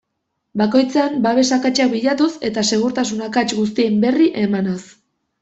Bakoitzean, babes akatsak bilatuz, eta segurtasun akats guztien berri emanaz.